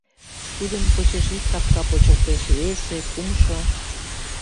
Тудын почеш ик капка почылтеш, весе, кумшо.